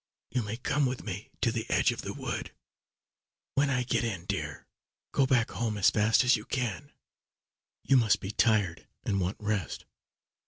You may come with me to the edge of the wood. When I get in, dear, go back home as fast as you can. You must be tired and want rest.